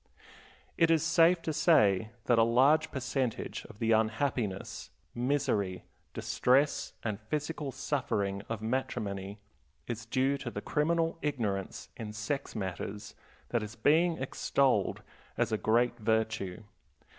It is safe to say that a large percentage of the unhappiness, misery, distress, and physical suffering of matrimony is due to the criminal ignorance in sex matters that is being extolled as a great virtue.